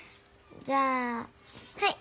じゃあはい。